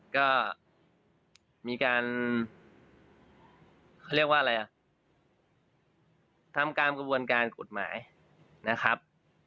ก็มีการทำการกระบวนการกฎหมายนะครับ